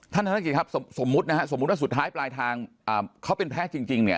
ธนกิจครับสมมุตินะฮะสมมุติว่าสุดท้ายปลายทางเขาเป็นแพ้จริงเนี่ย